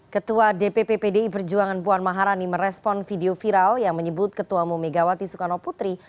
ketua dpp pdi perjuangan puan maharani merespon video viral yang menyebut ketua umum megawati soekarno putri